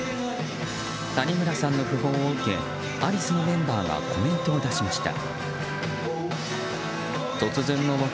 谷村さんの訃報を受けアリスのメンバーがコメントを出しました。